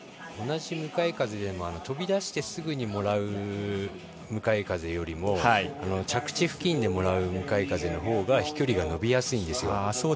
同じ向かい風でも飛び出してすぐにもらう向かい風よりも着地付近でもらう向かい風のほうが飛距離が伸びやすいんですよ。